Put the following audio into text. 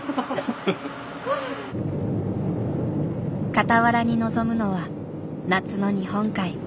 傍らに望むのは夏の日本海。